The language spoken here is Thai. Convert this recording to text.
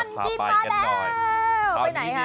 ตลอดกินมาแล้ว